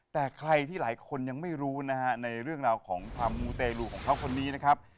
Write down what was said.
แต่ใครที่หลายคนยังไม่รู้นะฮะในเรื่องราวของความมูเตรลูของเขาคนนี้นะครับ